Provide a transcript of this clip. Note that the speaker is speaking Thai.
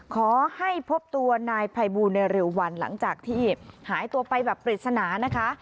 ขอให้พบตัวนายภัยบูลในเร็ววันหลังจากที่หายตัวไปแบบปริศนานะคะ